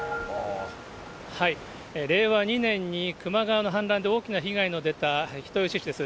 令和２年にくま川の氾濫で大きな被害が出た人吉市です。